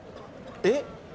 えっ。